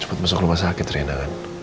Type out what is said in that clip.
cepet masuk rumah sakit rina kan